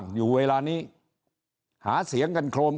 ก็มาเมืองไทยไปประเทศเพื่อนบ้านใกล้เรา